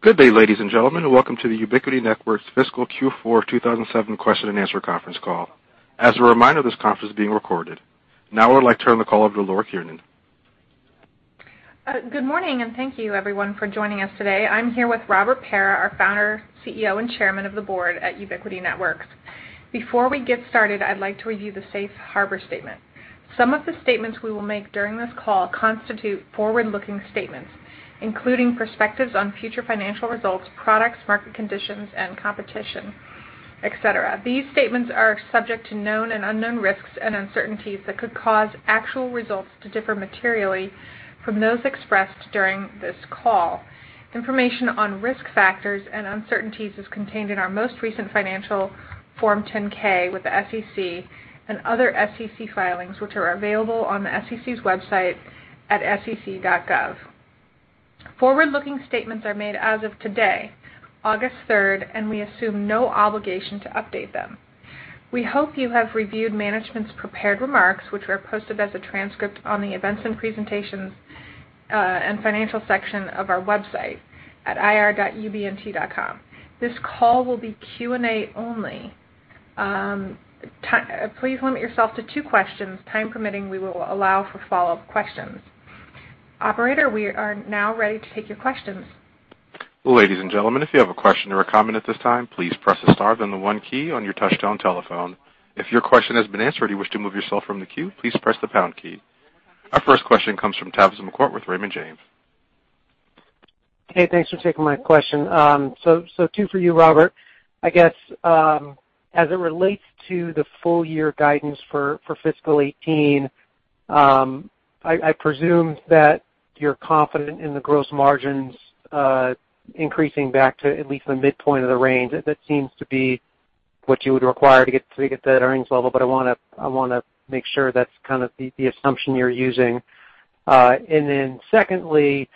Good day, ladies and gentlemen. Welcome to the Ubiquiti Networks Fiscal Q4 2007 Question and Answer Conference call. As a reminder, this conference is being recorded. Now I would like to turn the call over to Laura Kiernan. Good morning, and thank you, everyone, for joining us today. I'm here with Robert Pera, our Founder, CEO, and Chairman of the Board at Ubiquiti Networks. Before we get started, I'd like to review the Safe Harbor Statement. Some of the statements we will make during this call constitute forward-looking statements, including perspectives on future financial results, products, market conditions, and competition, etc. These statements are subject to known and unknown risks and uncertainties that could cause actual results to differ materially from those expressed during this call. Information on risk factors and uncertainties is contained in our most recent financial Form 10-K with the SEC and other SEC filings, which are available on the SEC's website at sec.gov. Forward-looking statements are made as of today, August 3rd, and we assume no obligation to update them. We hope you have reviewed management's prepared remarks, which were posted as a transcript on the events and presentations and financial section of our website at irubnt.com. This call will be Q&A only. Please limit yourself to two questions. Time permitting, we will allow for follow-up questions. Operator, we are now ready to take your questions. Ladies and gentlemen, if you have a question or a comment at this time, please press the star then the one key on your touch-tone telephone. If your question has been answered and you wish to remove yourself from the queue, please press the pound key. Our first question comes from Tabitha McCourt with Raymond James. Hey, thanks for taking my question. Two for you, Robert. I guess as it relates to the full-year guidance for fiscal 2018, I presume that you're confident in the gross margins increasing back to at least the midpoint of the range. That seems to be what you would require to get to that earnings level, but I want to make sure that's kind of the assumption you're using. Secondly,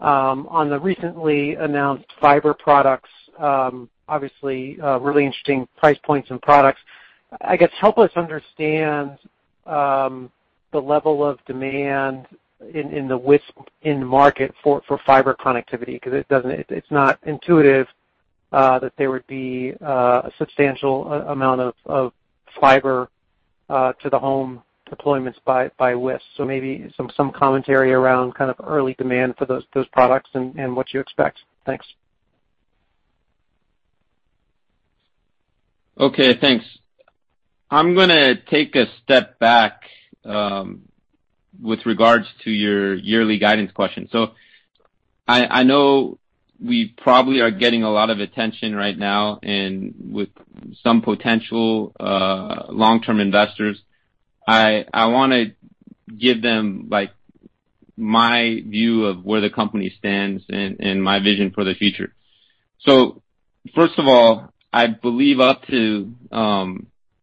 on the recently announced fiber products, obviously really interesting price points and products, I guess help us understand the level of demand in the WISP in the market for fiber connectivity because it's not intuitive that there would be a substantial amount of fiber to the home deployments by WISP. Maybe some commentary around kind of early demand for those products and what you expect. Thanks. Okay, thanks. I'm going to take a step back with regards to your yearly guidance question. I know we probably are getting a lot of attention right now and with some potential long-term investors. I want to give them my view of where the company stands and my vision for the future. First of all, I believe up to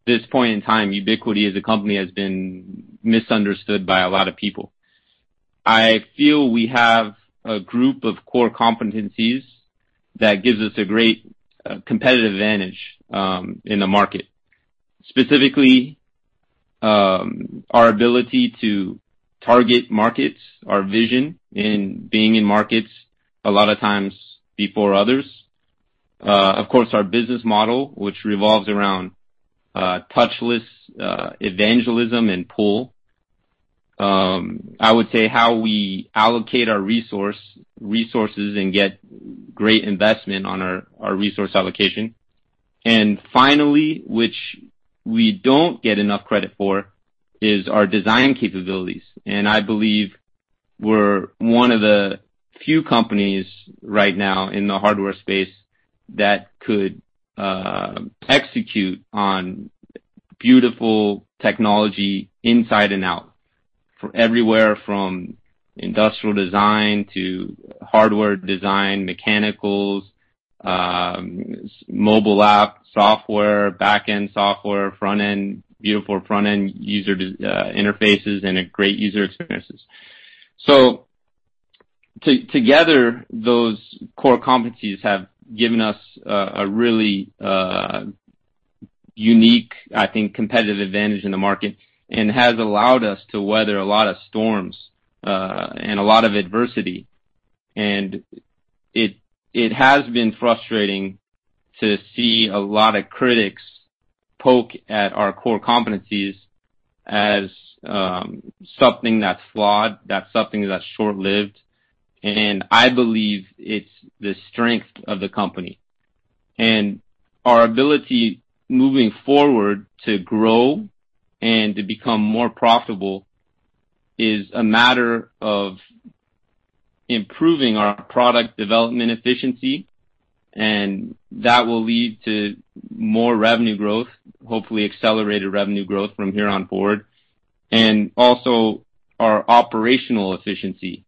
this point in time, Ubiquiti as a company has been misunderstood by a lot of people. I feel we have a group of core competencies that gives us a great competitive advantage in the market, specifically our ability to target markets, our vision in being in markets a lot of times before others. Of course, our business model, which revolves around touchless evangelism and pull. I would say how we allocate our resources and get great investment on our resource allocation. Finally, which we do not get enough credit for, is our design capabilities. I believe we are one of the few companies right now in the hardware space that could execute on beautiful technology inside and out, everywhere from industrial design to hardware design, mechanicals, mobile app software, back-end software, front-end, beautiful front-end user interfaces, and great user experiences. Together, those core competencies have given us a really unique, I think, competitive advantage in the market and has allowed us to weather a lot of storms and a lot of adversity. It has been frustrating to see a lot of critics poke at our core competencies as something that is flawed, that is something that is short-lived. I believe it is the strength of the company. Our ability moving forward to grow and to become more profitable is a matter of improving our product development efficiency, and that will lead to more revenue growth, hopefully accelerated revenue growth from here on forward, and also our operational efficiency,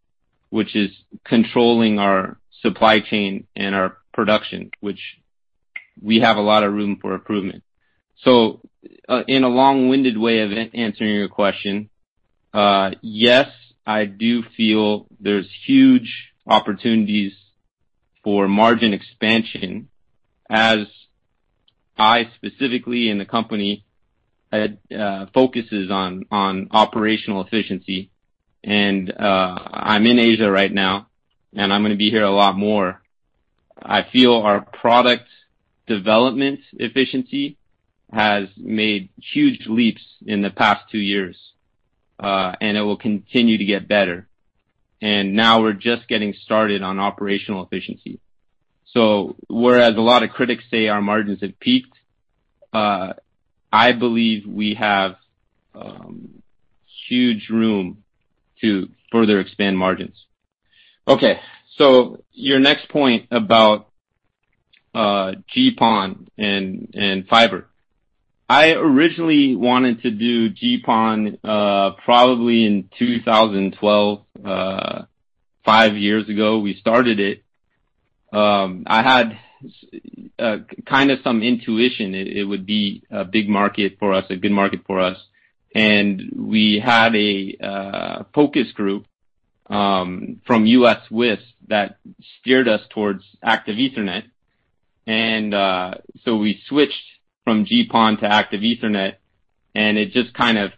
which is controlling our supply chain and our production, which we have a lot of room for improvement. In a long-winded way of answering your question, yes, I do feel there's huge opportunities for margin expansion as I specifically in the company focus on operational efficiency. I'm in Asia right now, and I'm going to be here a lot more. I feel our product development efficiency has made huge leaps in the past two years, and it will continue to get better. Now we're just getting started on operational efficiency. Whereas a lot of critics say our margins have peaked, I believe we have huge room to further expand margins. Okay, your next point about GPON and fiber. I originally wanted to do GPON probably in 2012, five years ago we started it. I had kind of some intuition it would be a big market for us, a good market for us. We had a focus group from U.S. WISP that steered us towards Active Ethernet. We switched from GPON to Active Ethernet, and it just kind of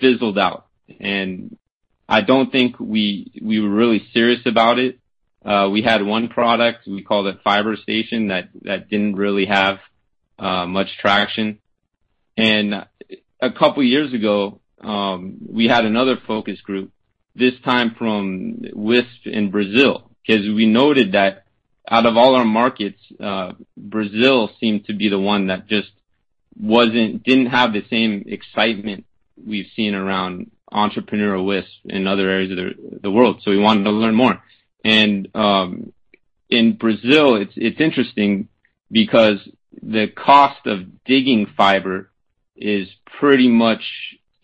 fizzled out. I do not think we were really serious about it. We had one product, we called it Fiber Station, that did not really have much traction. A couple of years ago, we had another focus group, this time from WISP in Brazil, because we noted that out of all our markets, Brazil seemed to be the one that just didn't have the same excitement we've seen around entrepreneurial WISP in other areas of the world. We wanted to learn more. In Brazil, it's interesting because the cost of digging fiber is pretty much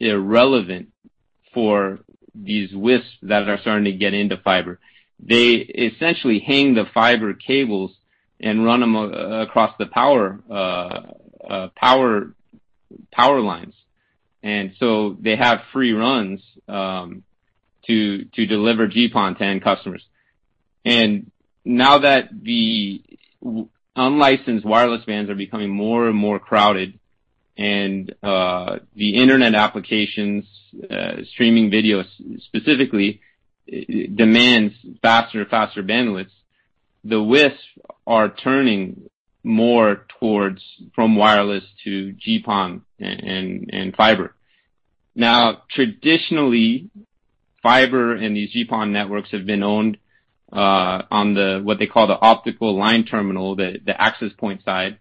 irrelevant for these WISPs that are starting to get into fiber. They essentially hang the fiber cables and run them across the power lines. They have free runs to deliver GPON to end customers. Now that the unlicensed wireless bands are becoming more and more crowded and the internet applications, streaming video specifically, demands faster and faster bandwidths, the WISPs are turning more towards from wireless to GPON and fiber. Now, traditionally, fiber and these GPON networks have been owned on what they call the optical line terminal, the access point side,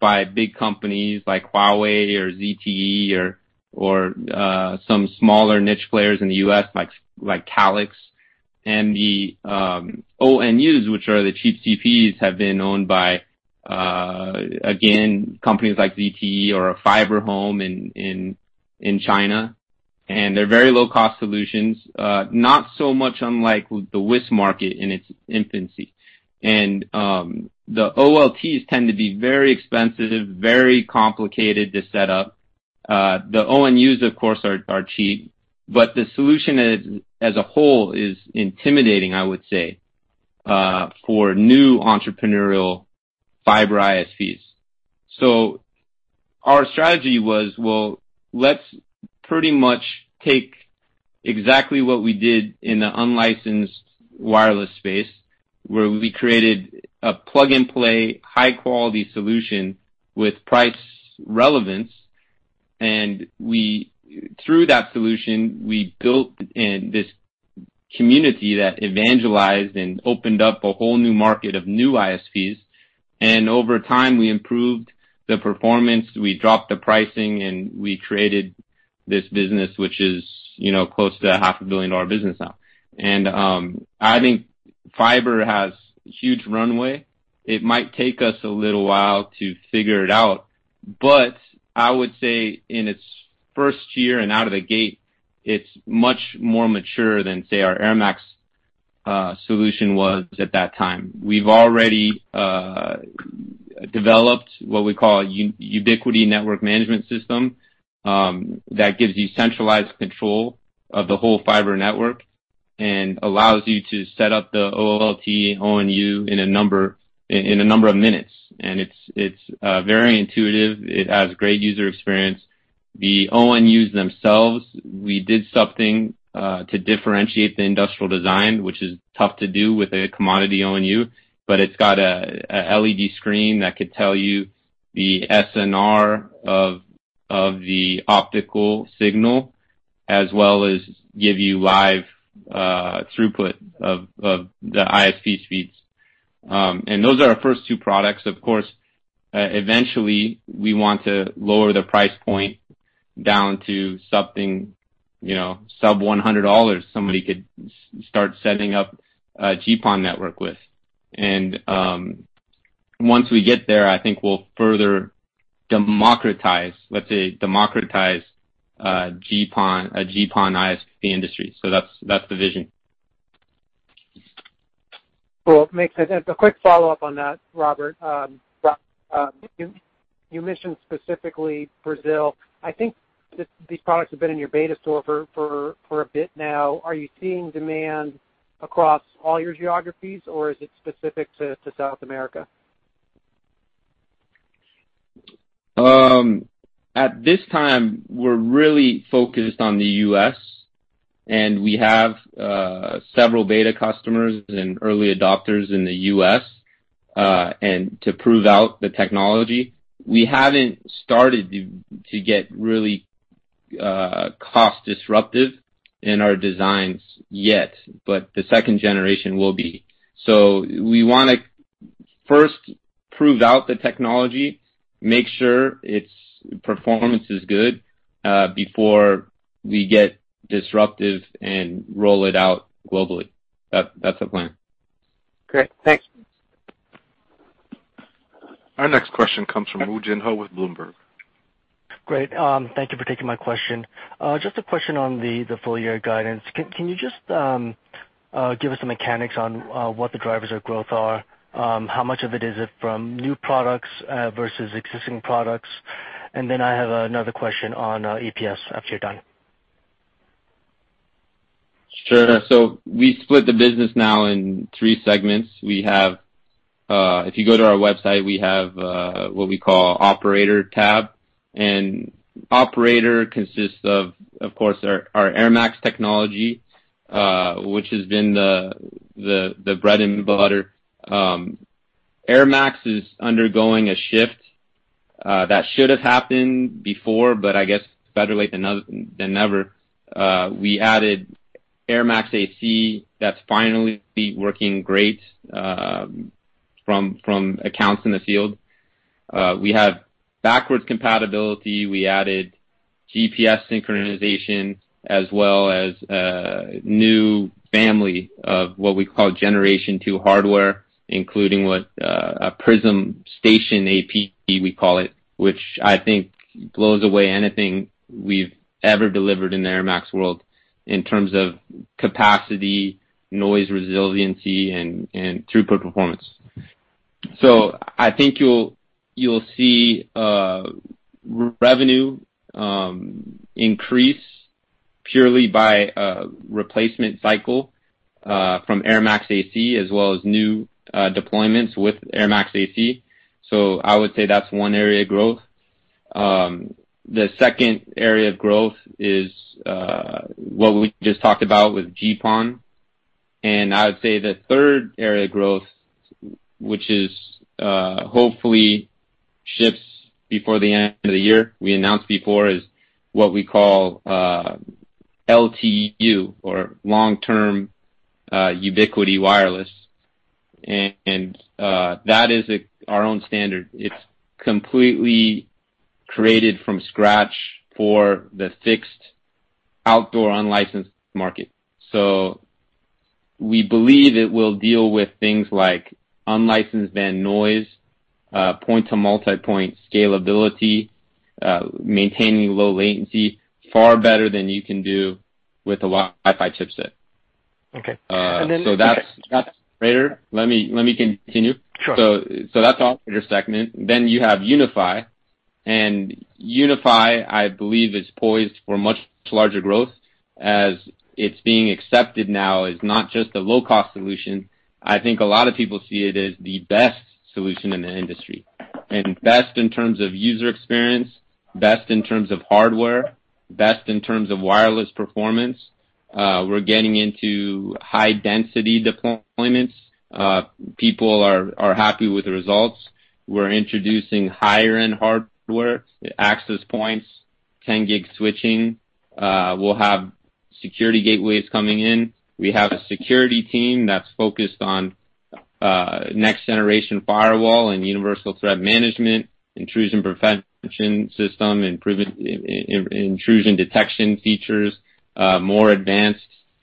by big companies like Huawei or ZTE or some smaller niche players in the US like Calix. The ONUs, which are the cheap CPEs, have been owned by, again, companies like ZTE or FiberHome in China. They are very low-cost solutions, not so much unlike the WISP market in its infancy. The OLTs tend to be very expensive, very complicated to set up. The ONUs, of course, are cheap, but the solution as a whole is intimidating, I would say, for new entrepreneurial fiber ISPs. Our strategy was, let's pretty much take exactly what we did in the unlicensed wireless space, where we created a plug-and-play high-quality solution with price relevance. Through that solution, we built this community that evangelized and opened up a whole new market of new ISPs. Over time, we improved the performance, we dropped the pricing, and we created this business, which is close to a $500,000,000 business now. I think fiber has a huge runway. It might take us a little while to figure it out, but I would say in its first year and out of the gate, it's much more mature than, say, our AirMax solution was at that time. We've already developed what we call a Ubiquiti Network Management System that gives you centralized control of the whole fiber network and allows you to set up the OLT, ONU in a number of minutes. It's very intuitive. It has a great user experience. The ONUs themselves, we did something to differentiate the industrial design, which is tough to do with a commodity ONU, but it's got an LED screen that could tell you the SNR of the optical signal as well as give you live throughput of the ISP speeds. Those are our first two products. Of course, eventually, we want to lower the price point down to something sub-$100 somebody could start setting up a GPON network with. Once we get there, I think we'll further democratize, let's say, democratize a GPON ISP industry. That's the vision. Cool. Makes sense. A quick follow-up on that, Robert. You mentioned specifically Brazil. I think these products have been in your beta store for a bit now. Are you seeing demand across all your geographies, or is it specific to South America? At this time, we're really focused on the U.S., and we have several beta customers and early adopters in the U.S. to prove out the technology. We haven't started to get really cost-disruptive in our designs yet, but the second generation will be. We want to first prove out the technology, make sure its performance is good before we get disruptive and roll it out globally. That's the plan. Great. Thanks. Our next question comes from Wu Jinhou with Bloomberg. Great. Thank you for taking my question. Just a question on the full-year guidance. Can you just give us the mechanics on what the drivers of growth are? How much of it is it from new products versus existing products? I have another question on EPS after you're done. Sure. We split the business now in three segments. If you go to our website, we have what we call Operator tab. Operator consists of, of course, our AirMax technology, which has been the bread and butter. AirMax is undergoing a shift that should have happened before, but I guess better late than never. We added AirMax AC that's finally working great from accounts in the field. We have backwards compatibility. We added GPS synchronization as well as a new family of what we call Generation 2 hardware, including what a Prism Station AP we call it, which I think blows away anything we've ever delivered in the AirMax world in terms of capacity, noise resiliency, and throughput performance. I think you'll see revenue increase purely by a replacement cycle from AirMax AC as well as new deployments with AirMax AC. I would say that's one area of growth. The second area of growth is what we just talked about with GPON. I would say the third area of growth, which hopefully shifts before the end of the year, we announced before, is what we call LTU or Long-Term Ubiquiti Wireless. That is our own standard. It's completely created from scratch for the fixed outdoor unlicensed market. We believe it will deal with things like unlicensed band noise, point-to-multipoint scalability, maintaining low latency far better than you can do with a Wi-Fi chipset. Okay. And then. That's operator. Let me continue. Sure. That's operator segment. You have UniFi. UniFi, I believe, is poised for much larger growth as it's being accepted now as not just a low-cost solution. I think a lot of people see it as the best solution in the industry. Best in terms of user experience, best in terms of hardware, best in terms of wireless performance. We're getting into high-density deployments. People are happy with the results. We're introducing higher-end hardware, access points, 10-gig switching. We'll have security gateways coming in. We have a security team that's focused on next-generation firewall and universal threat management, intrusion prevention system, intrusion detection features, more advanced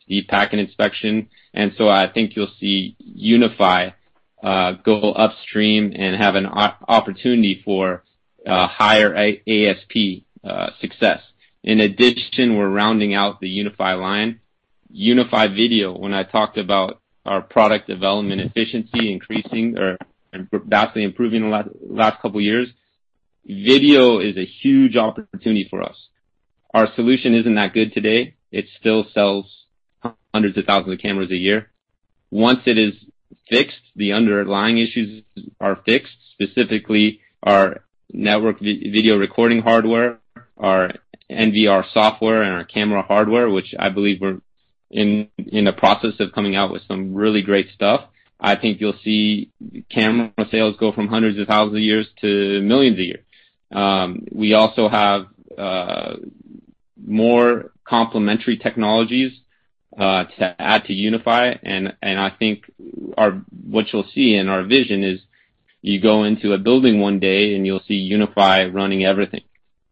deep packet inspection. I think you'll see UniFi go upstream and have an opportunity for higher ASP success. In addition, we're rounding out the UniFi line. UniFi Video, when I talked about our product development efficiency increasing or vastly improving in the last couple of years, video is a huge opportunity for us. Our solution isn't that good today. It still sells hundreds of thousands of cameras a year. Once it is fixed, the underlying issues are fixed, specifically our network video recording hardware, our NVR software, and our camera hardware, which I believe we're in the process of coming out with some really great stuff. I think you'll see camera sales go from hundreds of thousands a year to millions a year. We also have more complementary technologies to add to UniFi. I think what you'll see in our vision is you go into a building one day and you'll see UniFi running everything,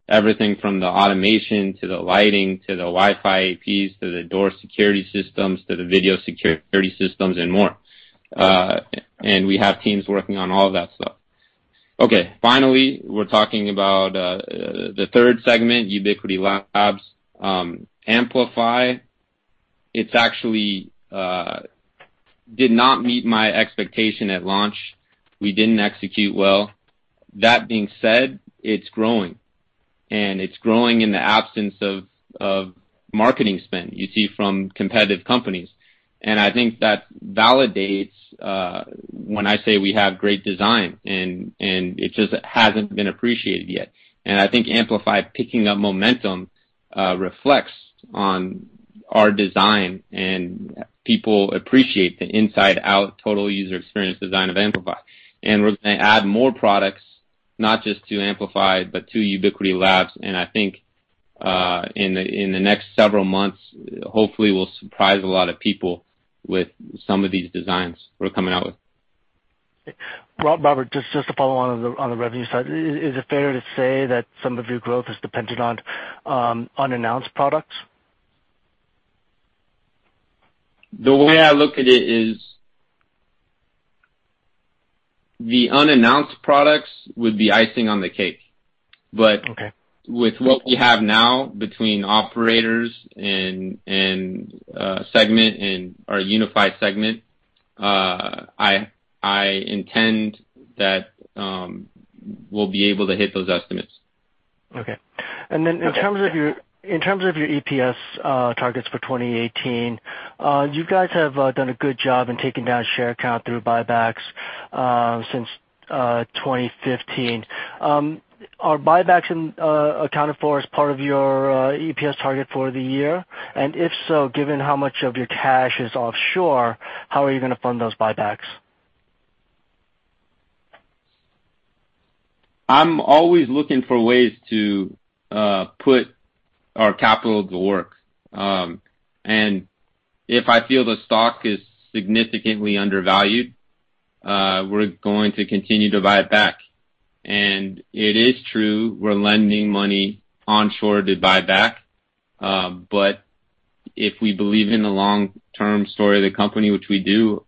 everything from the automation to the lighting to the Wi-Fi APs to the door security systems to the video security systems and more. We have teams working on all of that stuff. Finally, we're talking about the third segment, Ubiquiti Labs. AmpliFi, it actually did not meet my expectation at launch. We didn't execute well. That being said, it's growing. It's growing in the absence of marketing spend you see from competitive companies. I think that validates when I say we have great design, and it just hasn't been appreciated yet. I think AmpliFi, picking up momentum, reflects on our design, and people appreciate the inside-out total user experience design of AmpliFi. We are going to add more products, not just to AmpliFi, but to Ubiquiti Labs. I think in the next several months, hopefully, we will surprise a lot of people with some of these designs we are coming out with. Robert, just to follow on the revenue side, is it fair to say that some of your growth is dependent on unannounced products? The way I look at it is the unannounced products would be icing on the cake. With what we have now between operators and our UniFi segment, I intend that we'll be able to hit those estimates. Okay. In terms of your EPS targets for 2018, you guys have done a good job in taking down share count through buybacks since 2015. Are buybacks accounted for as part of your EPS target for the year? If so, given how much of your cash is offshore, how are you going to fund those buybacks? I'm always looking for ways to put our capital to work. If I feel the stock is significantly undervalued, we're going to continue to buy it back. It is true we're lending money onshore to buy back. If we believe in the long-term story of the company, which we do,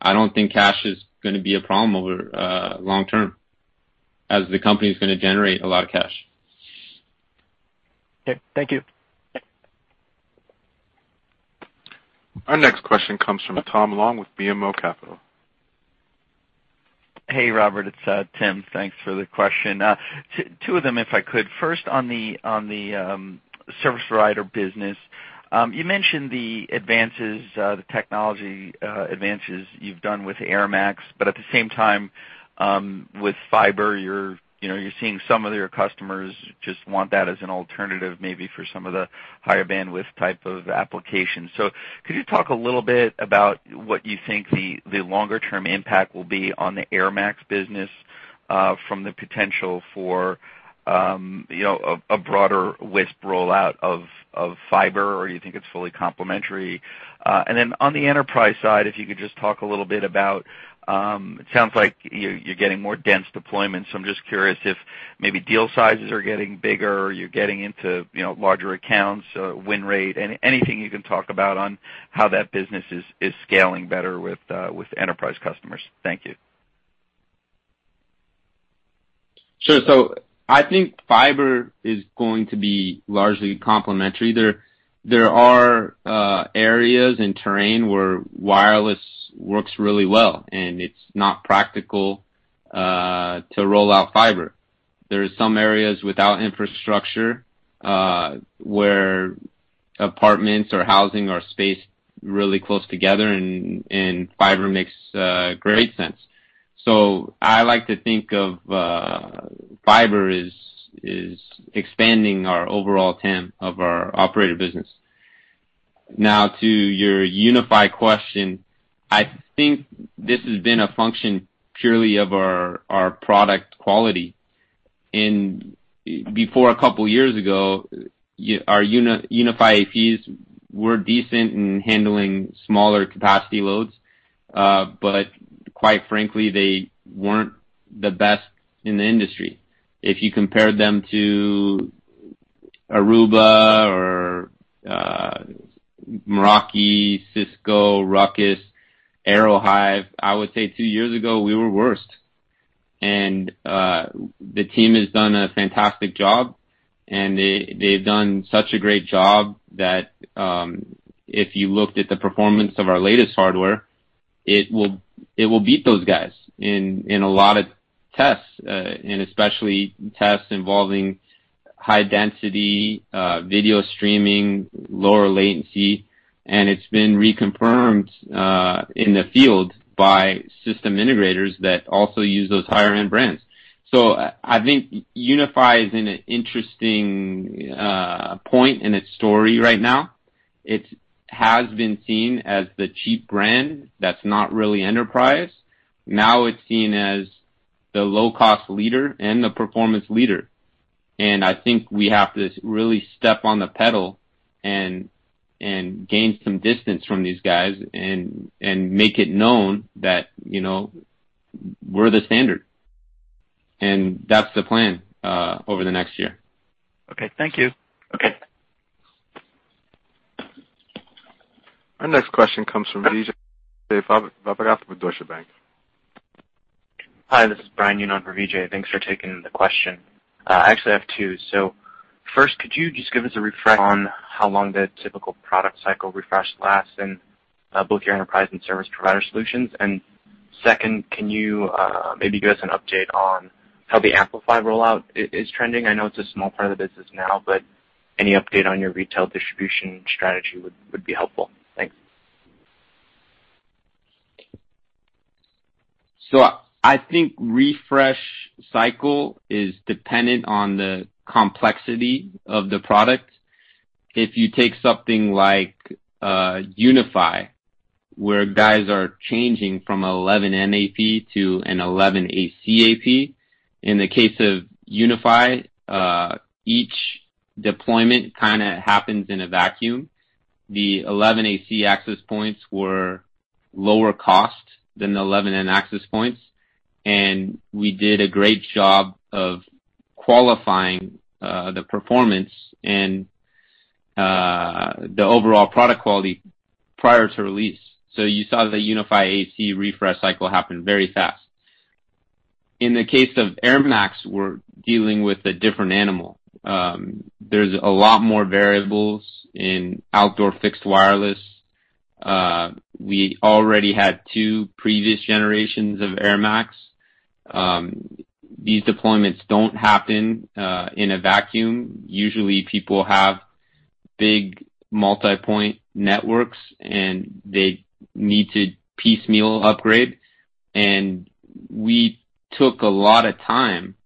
I don't think cash is going to be a problem over long term as the company is going to generate a lot of cash. Okay. Thank you. Our next question comes from Tim Long with BMO Capital. Hey, Robert. It's Tim. Thanks for the question. Two of them, if I could. First, on the service provider business, you mentioned the advances, the technology advances you've done with AirMax. At the same time, with fiber, you're seeing some of your customers just want that as an alternative maybe for some of the higher bandwidth type of applications. Could you talk a little bit about what you think the longer-term impact will be on the AirMax business from the potential for a broader WISP rollout of fiber, or do you think it's fully complementary? On the enterprise side, if you could just talk a little bit about it sounds like you're getting more dense deployments. I'm just curious if maybe deal sizes are getting bigger, or you're getting into larger accounts, win rate, anything you can talk about on how that business is scaling better with enterprise customers. Thank you. Sure. I think fiber is going to be largely complementary. There are areas in terrain where wireless works really well, and it's not practical to roll out fiber. There are some areas without infrastructure where apartments or housing are spaced really close together, and fiber makes great sense. I like to think of fiber as expanding our overall TAM of our operator business. Now, to your UniFi question, I think this has been a function purely of our product quality. Before a couple of years ago, our UniFi APs were decent in handling smaller capacity loads. Quite frankly, they weren't the best in the industry. If you compare them to Aruba or Meraki, Cisco, Ruckus, Aerohive, I would say two years ago, we were worse. The team has done a fantastic job, and they've done such a great job that if you looked at the performance of our latest hardware, it will beat those guys in a lot of tests, especially tests involving high-density video streaming, lower latency. It has been reconfirmed in the field by system integrators that also use those higher-end brands. I think UniFi is in an interesting point in its story right now. It has been seen as the cheap brand that's not really enterprise. Now it's seen as the low-cost leader and the performance leader. I think we have to really step on the pedal and gain some distance from these guys and make it known that we're the standard. That's the plan over the next year. Okay. Thank you. Okay. Our next question comes from Vijay Vavagatha with Deutsche Bank. Hi. This is Brian Unon for Vijay. Thanks for taking the question. I actually have two. First, could you just give us a refresh on how long the typical product cycle refresh lasts in both your enterprise and service provider solutions? Second, can you maybe give us an update on how the AmpliFi rollout is trending? I know it's a small part of the business now, but any update on your retail distribution strategy would be helpful. Thanks. I think refresh cycle is dependent on the complexity of the product. If you take something like UniFi, where guys are changing from an 11N AP to an 11AC AP, in the case of UniFi, each deployment kind of happens in a vacuum. The 11AC access points were lower cost than the 11N access points. We did a great job of qualifying the performance and the overall product quality prior to release. You saw the UniFi AC refresh cycle happen very fast. In the case of AirMax, we're dealing with a different animal. There's a lot more variables in outdoor fixed wireless. We already had two previous generations of AirMax. These deployments don't happen in a vacuum. Usually, people have big multipoint networks, and they need to piecemeal upgrade. We took a lot of time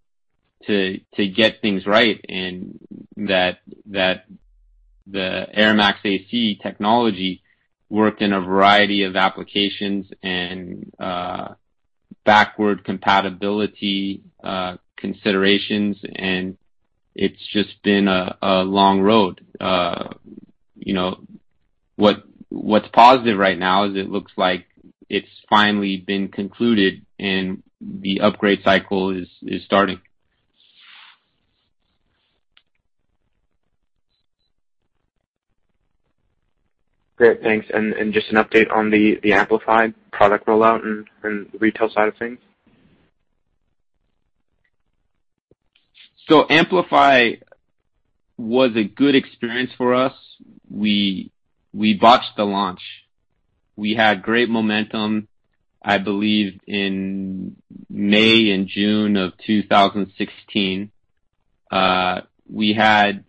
to get things right and that the AirMax AC technology worked in a variety of applications and backward compatibility considerations. It's just been a long road. What's positive right now is it looks like it's finally been concluded, and the upgrade cycle is starting. Great. Thanks. Just an update on the AmpliFi product rollout and the retail side of things? AmpliFi was a good experience for us. We botched the launch. We had great momentum, I believe, in May and June of 2016. We had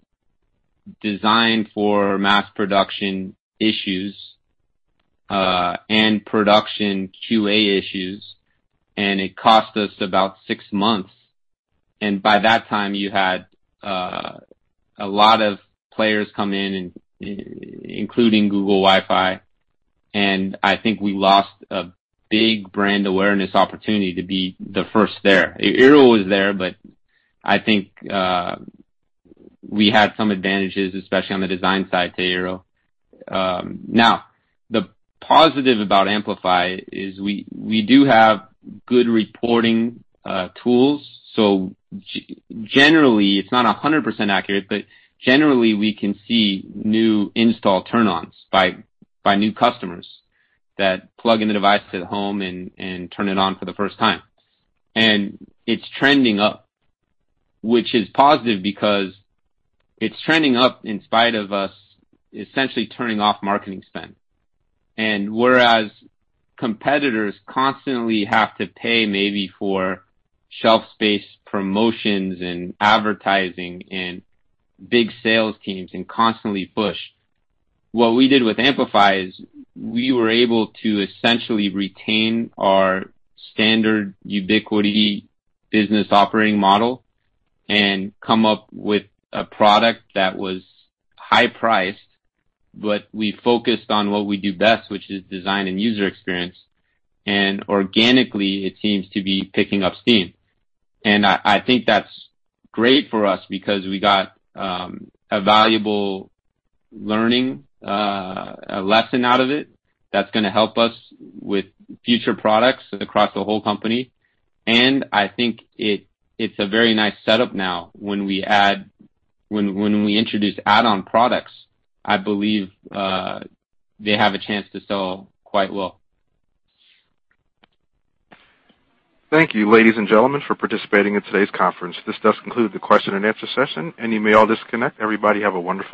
design for mass production issues and production QA issues, and it cost us about six months. By that time, you had a lot of players come in, including Google Wi-Fi. I think we lost a big brand awareness opportunity to be the first there. Eero was there, but I think we had some advantages, especially on the design side to Eero. Now, the positive about AmpliFi is we do have good reporting tools. Generally, it's not 100% accurate, but generally, we can see new install turn-ons by new customers that plug in the device to the home and turn it on for the first time. It is trending up, which is positive because it is trending up in spite of us essentially turning off marketing spend. Whereas competitors constantly have to pay maybe for shelf space promotions and advertising and big sales teams and constantly push, what we did with AmpliFi is we were able to essentially retain our standard Ubiquiti business operating model and come up with a product that was high-priced, but we focused on what we do best, which is design and user experience. Organically, it seems to be picking up steam. I think that is great for us because we got a valuable learning lesson out of it that is going to help us with future products across the whole company. I think it is a very nice setup now when we introduce add-on products. I believe they have a chance to sell quite well. Thank you, ladies and gentlemen, for participating in today's conference. This does conclude the question and answer session, and you may all disconnect. Everybody have a wonderful.